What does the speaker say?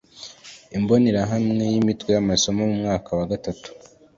imbonerahamwe y’imitwe y‘amasomo mu mwaka wa gatatu